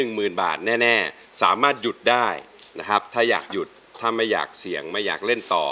หมื่นบาทแน่สามารถหยุดได้นะครับถ้าอยากหยุดถ้าไม่อยากเสี่ยงไม่อยากเล่นต่อ